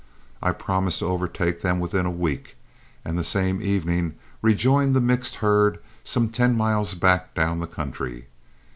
I promised to overtake them within a week, and the same evening rejoined the mixed herd some ten miles back down the country.